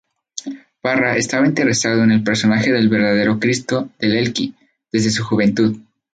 Parra estaba interesado en el personaje del verdadero Cristo de Elqui desde su juventud.